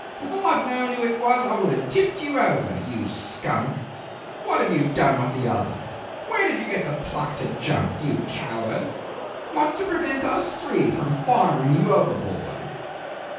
If I had known who it was, I would have tipped you over you skunk! What have you done with the other? Where did you get the pluck to jump you coward? What's to prevent us three from firing you overboard?